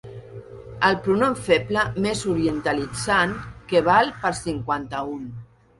El pronom feble més orientalitzant que val per cinquanta-un.